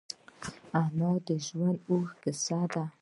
انا د ژوند اوږده کیسه ده